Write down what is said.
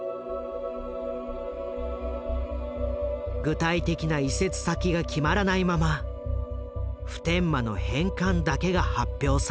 具体的な移設先が決まらないまま普天間の返還だけが発表された。